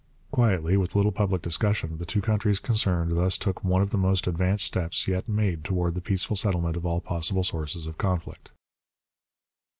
Quietly, with little public discussion, the two countries concerned thus took one of the most advanced steps yet made towards the peaceful settlement of all possible sources of conflict.